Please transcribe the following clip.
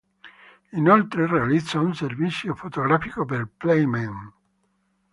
Inoltre realizza un servizio fotografico per "Playmen".